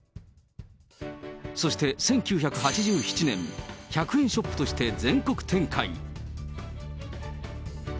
そして１９８７年、１００円ショップとして全国展開。